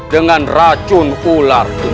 dengan racun ular kemurahan